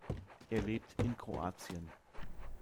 Er lebt in Kroatien.